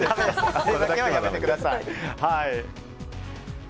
それはやめてください。